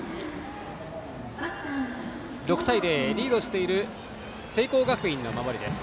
６対０、リードしている聖光学院の守りです。